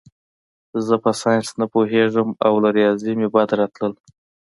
زه په ساینس نه پوهېږم او له ریاضي مې بد راتلل